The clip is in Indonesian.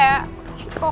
gak ada apa apa